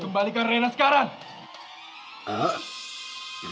kembalikan rena sekarang